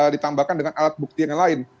ditambahkan dengan alat bukti yang lain